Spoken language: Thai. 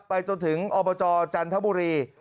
ไปจนถึงอบจจันทบุรี